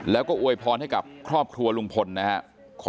แล้วก็อวยพรให้กับครอบครัวลุงพลนะครับ